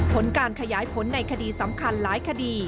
ผลการขยายผลในคดีสำคัญหลายคดี